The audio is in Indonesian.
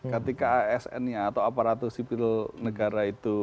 ketika asn nya atau aparatur sipil negara itu